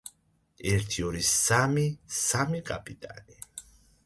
ერთი ორი სამი სამი კაპიტანი